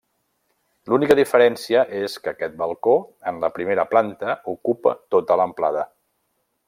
L'única diferència és que aquest balcó, en la primera planta ocupa tota l'amplada.